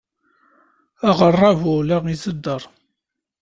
Aɣerrabu la izedder!